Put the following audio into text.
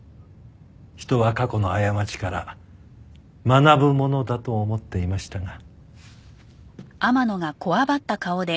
人は過去の過ちから学ぶものだと思っていましたが。